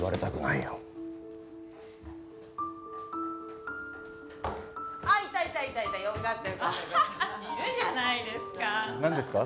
いるじゃないですか。